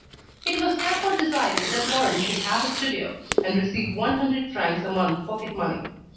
It was therefore decided that Laurent should have a studio, and receive one hundred francs a month pocket money.